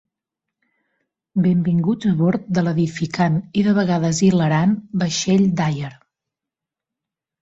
Benvinguts abord de l'edificant i de vegades hilarant vaixell Dyer.